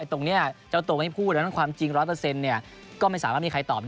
ตรงนี้เจ้าตัวไม่พูดดังนั้นความจริง๑๐๐ก็ไม่สามารถมีใครตอบได้